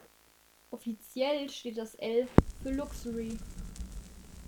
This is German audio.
Offiziell steht das „L“ für „Luxury“.